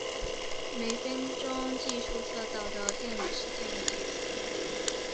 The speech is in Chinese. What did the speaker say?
每分钟计数测到的电离事件的计数。